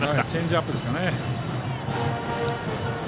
チェンジアップですかね。